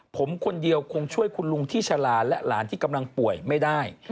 ผมคนเดียวคงช่วยคุณลุงที่ชะลาและหลานที่กำลังป่วยไม่ได้